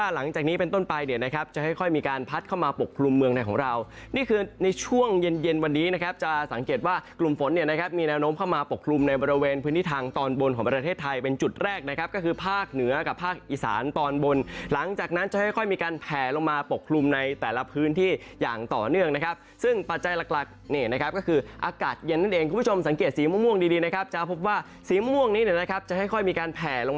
หลังจากนี้เป็นต้นไปเนี่ยนะครับจะให้ค่อยมีการพัดเข้ามาปกครุมเมืองในของเรานี่คือในช่วงเย็นเย็นวันนี้นะครับจะสังเกตว่ากลุ่มฝนเนี่ยนะครับมีแนวโน้มเข้ามาปกครุมในบริเวณพื้นที่ทางตอนบนของประเทศไทยเป็นจุดแรกนะครับก็คือภาคเหนือกับภาคอิสานตอนบนหลังจากนั้นจะค่อยมีการแผลลงมาปกคร